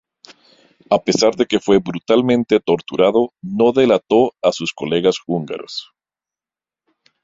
A pesar de que fue brutalmente torturado, no delató a sus colegas húngaros.